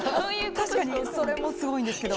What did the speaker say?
確かにそれもすごいんですけど。